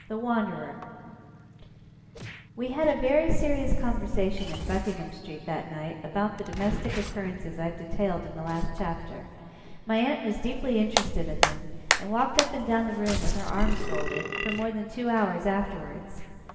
THE WANDERER We had a very serious conversation in Buckingham Street that night, about the domestic occurrences I have detailed in the last chapter. My aunt was deeply interested in them, and walked up and down the room with her arms folded, for more than two hours afterwards.